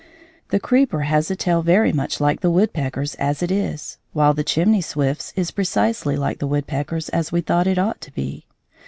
The creeper has a tail very much like the woodpecker's as it is; while the chimney swift's is precisely like the woodpecker's as we thought it ought to be.